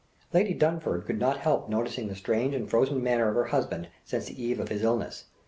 Lady Dunfern could not help noticing the strange and frozen manner of her husband since the eve of his illness.